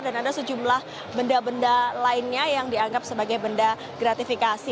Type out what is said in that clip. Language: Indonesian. dan ada sejumlah benda benda lainnya yang dianggap sebagai benda gratifikasi